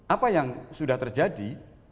apa yang sudah terjadi